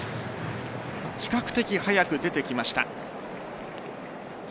比較的、早く出てきました。